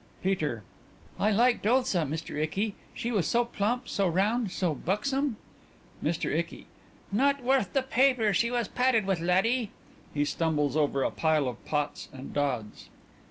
_) PETER: I liked Ulsa, Mr. Icky; she was so plump, so round, so buxom. MR. ICKY: Not worth the paper she was padded with, laddie. (_He stumbles over a pile of pots and dods.